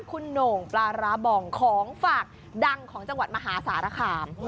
ของฝากดังของจังหวัดมหาสารคาม